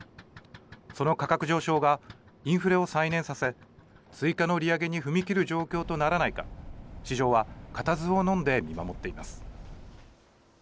その価格上昇がインフレを再燃させ、追加の利上げに踏み切る状況とならないか、市場は固唾をのんで見守っています。